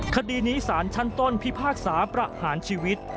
คดีนี้สารชั้นต้นพิพากษาประหารชีวิต